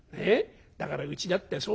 だからうちだってそうだよ。